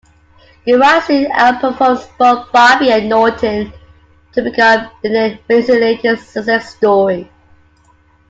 Girard soon outperforms both Bobby and Naughton to become Dennit Racing's latest success story.